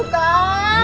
akang buru kang